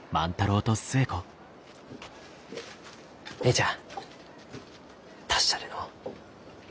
姉ちゃん達者でのう。